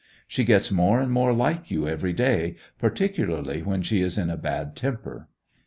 She gets more and more like you every day, particularly when she is in a bad temper.